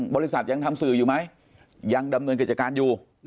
บริษัทยังทำสื่ออยู่ไหมยังดำเนินกิจการอยู่